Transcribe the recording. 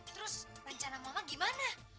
terus rencana mama gimana